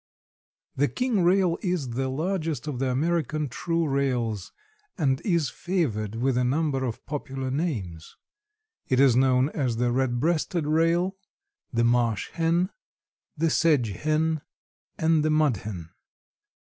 _) The King Rail is the largest of the American true rails and is favored with a number of popular names. It is known as the Red breasted Rail, the Marsh Hen, the Sedge Hen and the Mudhen.